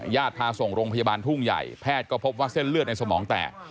พาส่งโรงพยาบาลทุ่งใหญ่แพทย์ก็พบว่าเส้นเลือดในสมองแตก